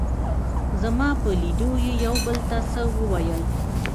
زما په لیدو یې یو او بل ته څه وویل.